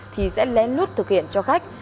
thì sẽ lén lút thực hiện cho khách